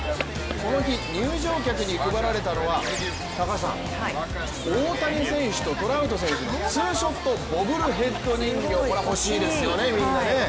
この日、入場客に配られたのは大谷選手とトラウト選手のツーショットボブルヘッド人形、これは欲しいですよね、みんなね。